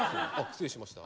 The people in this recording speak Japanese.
失礼しました。